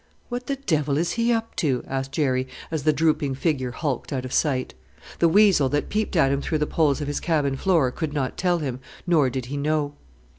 "What the devil is he up to!" asked Jerry, as the drooping figure hulked out of sight. The weasel that peeped at him through the poles of his cabin floor could not tell him, nor did he know.